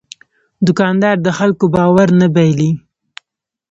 دوکاندار د خلکو باور نه بایلي.